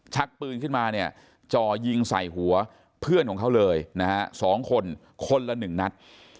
ชักปืนขึ้นมาเนี่ยจอยิงใส่หัวเพื่อนของเขาเลยสองคนคนละหนึ่งนัด